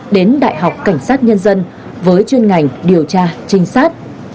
đến đại học cảnh sát nhân dân với chuyên ngành điều tra trinh sát